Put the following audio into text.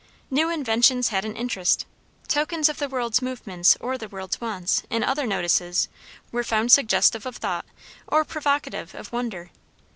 New inventions had an interest; tokens of the world's movements, or the world's wants, in other notices, were found suggestive of thought or provocative of wonder.